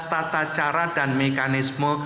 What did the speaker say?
tata cara dan mekanisme